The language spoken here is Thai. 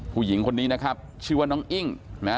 ผู้หญิงคนนี้นะครับชื่อน้องอิ้ง